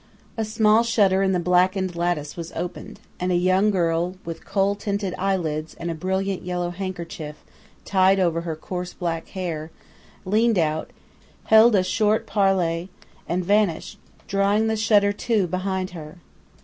A small shutter in the blackened lattice was opened, and a young girl, with kohl tinted eyelids, and a brilliant yellow handkerchief tied over her coarse black hair, leaned out, held a short parley, and vanished, drawing the shutter to behind her.